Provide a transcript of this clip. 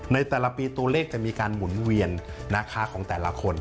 ในแต่ละปีตัวเลขจะมีการหมุนเวียนนะคะของแต่ละคน